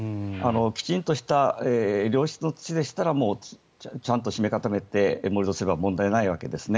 きちんとした良質の土でしたらちゃんと締め固めて盛り土すれば問題ないわけですね。